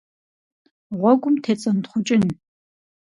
Гъуэгум тецӀэнтхъукӀын.